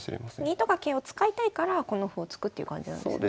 銀とか桂を使いたいからこの歩を突くっていう感じなんですね。